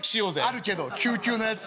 あるけど９級のやつ。